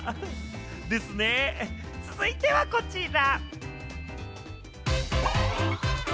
ですね、続いてはこちら。